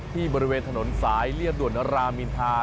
บริเวณถนนสายเรียบด่วนรามินทา